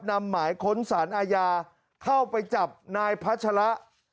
หมายค้นสารอาญาเข้าไปจับนายพัชระ